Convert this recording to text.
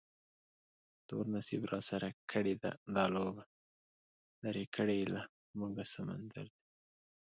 تور نصیب راسره کړې ده دا لوبه، لرې کړی یې له موږه سمندر دی